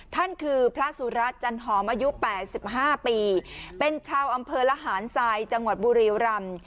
ท่านคือพระสุรัตน์จันหอมอายุ๘๕ปีเป็นชาวอำเภอระหารทรายจังหวัดบุรีรำ